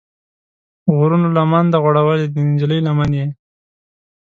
غرونو لمن ده غوړولې، د نجلۍ لمن یې